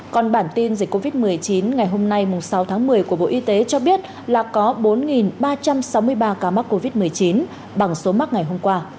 còn bản tin dịch covid một mươi chín ngày hôm nay sáu tháng một mươi của bộ y tế cho biết là có bốn ba trăm sáu mươi ba ca mắc covid một mươi chín bằng số mắc ngày hôm qua